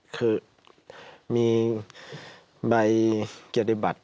คือมีใบเกียรติบัติ